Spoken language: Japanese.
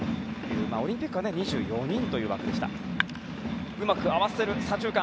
オリンピックは２４人という枠でした。